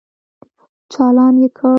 چالان يې کړ.